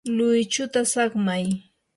luychuta saqmay.